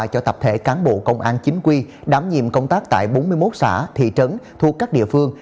cho tập thể cán bộ công an chính quy đảm nhiệm công tác tại bốn mươi một xã thị trấn thuộc các địa phương